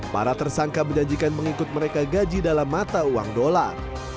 para tersangka menjanjikan mengikut mereka gaji dalam mata uang dolar